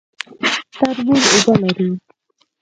تربوز اوبه لري